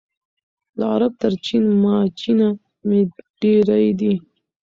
له عرب تر چین ماچینه مي دېرې دي